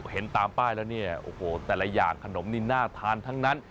เห็นตามป้ายแล้วเนี่ยโอ้โหแต่ละอย่างขนมนี่น่าทานทั้งนั้น